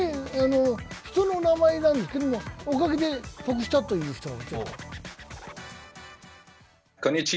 人の名前なんですけど、おかげで得したという人も。